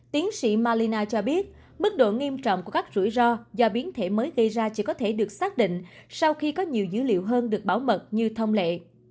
tiến sĩ malina cho biết mức độ nghiêm trọng của các rủi ro do biến thể mới gây ra chỉ có thể được xác định sau khi có nhiều dữ liệu hơn được bảo mật như thông lệ